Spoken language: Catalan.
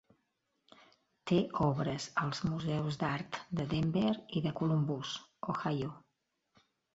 Té obres als Museus d'Art de Denver i de Columbus, Ohio.